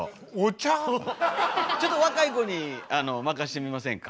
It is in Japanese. ちょっと若い子に任してみませんか？